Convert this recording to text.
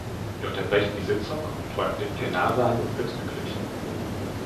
Wir unterbrechen die Sitzung und räumen den Plenarsaal unverzüglich.